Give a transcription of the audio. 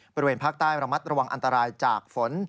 บริเวณภาคใต้ระมัดระวังอันตรายจากฝนที่ตกหนัก